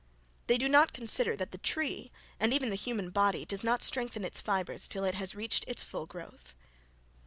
They do not consider that the tree, and even the human body, does not strengthen its fibres till it has reached its full growth.